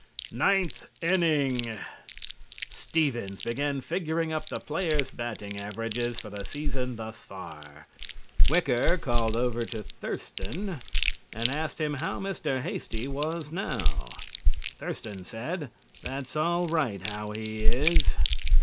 NINTH INNING: Stevens began figuring up the players' batting averages for the season thus far. Wicker called over to Thurston and asked him how Mr. Hasty was now. Thurston said "That's all right how he is."